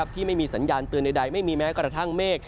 ที่ไม่มีสัญญาณเตือนใดไม่มีแม้กระทั่งเมฆ